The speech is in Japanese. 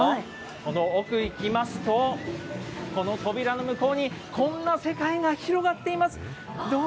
この奥行きますと、この扉の向こうにこんな世界が広がっています。